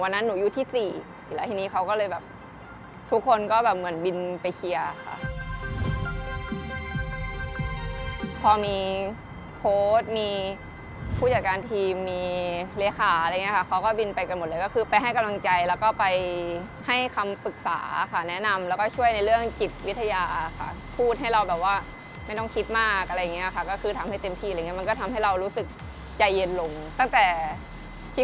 หนูอยู่ที่สี่แล้วทีนี้เขาก็เลยแบบทุกคนก็แบบเหมือนบินไปเคลียร์ค่ะพอมีโพสต์มีผู้จัดการทีมมีเลขาอะไรอย่างเงี้ค่ะเขาก็บินไปกันหมดเลยก็คือไปให้กำลังใจแล้วก็ไปให้คำปรึกษาค่ะแนะนำแล้วก็ช่วยในเรื่องจิตวิทยาค่ะพูดให้เราแบบว่าไม่ต้องคิดมากอะไรอย่างเงี้ยค่ะก็คือทำให้เต็มที่อะไรอย่างเงี้มันก็ทำให้เรารู้สึกใจเย็นลงตั้งแต่ที่